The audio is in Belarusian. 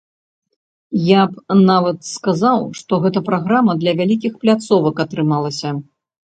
Я б нават сказаў, што гэта праграма для вялікіх пляцовак атрымалася.